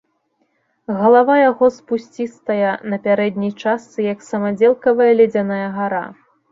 Галава яго спусцістая, на пярэдняй частцы як самадзелкавая ледзяная гара.